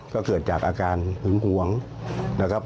ก็เกิดจากอาการหึงหวงนะครับ